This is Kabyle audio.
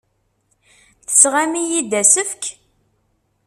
Tesɣam-iyi-d asefk?!